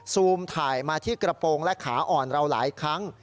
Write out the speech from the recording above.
ซูมถ่ายมาที่กระโปรงและขาอ่อนเราหลายครั้ง